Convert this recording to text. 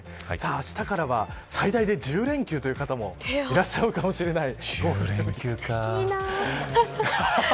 あしたからは最大で１０連休という方もいらっしゃるかもしれない。